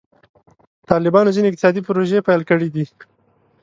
طالبانو ځینې اقتصادي پروژې پیل کړي دي.